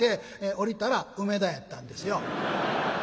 降りたら梅田やったんですよ。